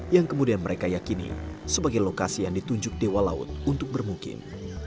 yang kemudian mereka yakini sebagai lokasi yang ditunjuk dewa laut untuk bermukim